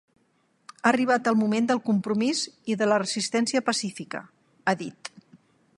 Ha arribat el moment del compromís i de la resistència pacífica, ha dit.